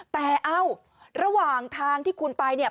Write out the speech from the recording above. แต่เอ้าระหว่างทางที่คุณไปเนี่ย